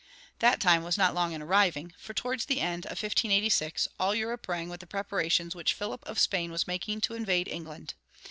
That time was not long in arriving, for towards the end of 1586 all Europe rang with the preparations which Philip of Spain was making to invade England.